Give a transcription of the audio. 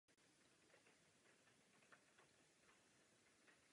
Pro své úspěchy získali jednou ocenění Sportovec roku a osmkrát ocenění Král cyklistiky.